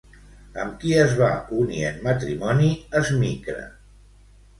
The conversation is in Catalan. Amb qui es va unir en matrimoni Esmicre?